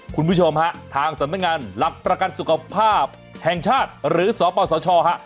คุณผู้ชมฮะทางสำนักงานหลักประกันสุขภาพแห่งชาติหรือสปสชฮะ